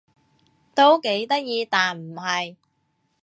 都幾得意但唔係